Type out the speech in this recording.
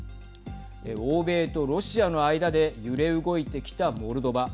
欧米とロシアの間で揺れ動いてきたモルドバ。